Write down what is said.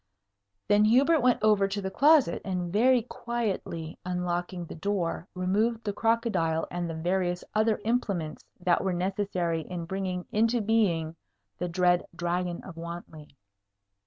Then Hubert went over to the closet, and very quietly unlocking the door removed the crocodile and the various other implements that were necessary in bringing into being the dread Dragon of Wantley.